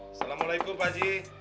assalamualaikum pak ji